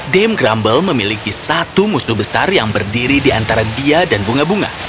dame grumble memiliki satu musuh besar yang berdiri di antara dia dan bunga bunga